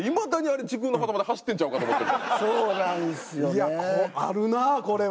いやあるなこれは。